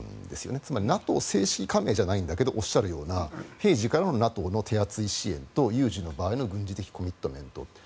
つまりＮＡＴＯの正式加盟じゃないんだけど平時からのＮＡＴＯの手厚い支援と有事の軍事的コミットメント。